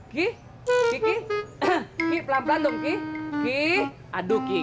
ki pelan pelan dong ki